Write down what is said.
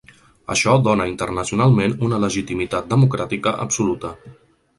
Això dóna internacionalment una legitimitat democràtica absoluta.